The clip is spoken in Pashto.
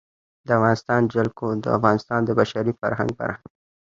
د افغانستان جلکو د افغانستان د بشري فرهنګ برخه ده.